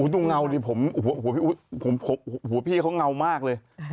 เงาดิผมหัวพี่เขาเงามากเลย